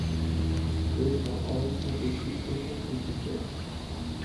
There is no other status distinction between them.